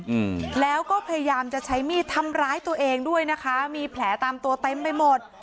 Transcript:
อืมแล้วก็พยายามจะใช้มีดทำร้ายตัวเองด้วยนะคะมีแผลตามตัวเต็มไปหมด